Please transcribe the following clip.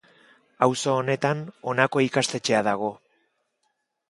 Auzo honetan honako ikastetxea dago.